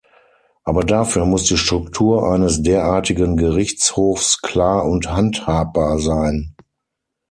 Aber dafür muss die Struktur eines derartigen Gerichtshofs klar und handhabbar sein.